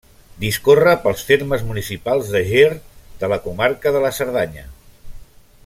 Discorre pels termes municipals de Ger, de la comarca de la Cerdanya.